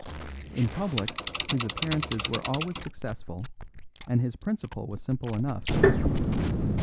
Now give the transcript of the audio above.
In public his appearances were always successful and his principle was simple enough.